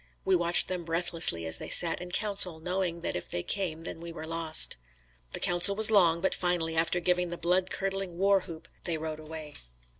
We watched them breathlessly as they sat in council knowing that if they came then we were lost. The council was long, but finally after giving the blood curdling war whoop, they rode away.